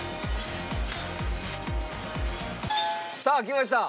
さあきました。